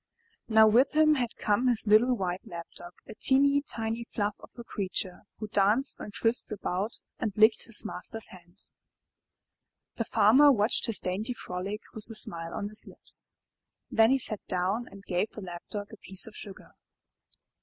Now with him had come his little white Lap dog, a teeny, tiny fluff of a creature, who danced and frisked about and licked his master's hand. The Farmer watched his dainty frolic with a smile on his lips. Then he sat down and gave the Lap dog a piece of sugar.